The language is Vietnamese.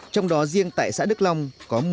trong đó riêng tại xã đức long có một mươi